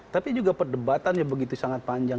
tapi juga perdebatannya begitu sangat panjang